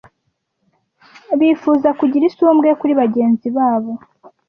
bifuza kugira isumbwe kuri bagenzi babo